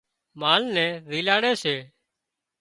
مال نين زيلاڙي سي